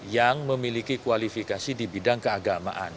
yang memiliki kualifikasi di bidang keagamaan